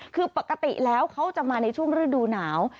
คือปกติแล้วเขาจะมาในช่วงฤดูหนาว